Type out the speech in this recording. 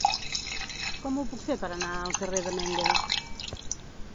Com ho puc fer per anar al carrer de Mendel?